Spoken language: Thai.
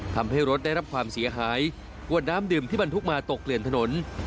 ทำให้รถได้รับความเสียหายกวดน้ำดื่มที่บรรทุกมาตกเกลื่อนถนน